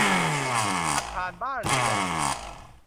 อาคารบ้านเรือน